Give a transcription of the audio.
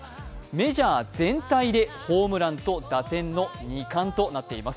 メジャー全体でホームランと打点の２冠となっています。